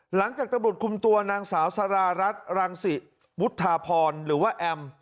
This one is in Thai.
หลังจากตำรวจคุมตัวนางสาวสารารัฐรังศิวุฒาพรหรือว่าแอม